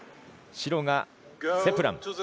白がセプラン。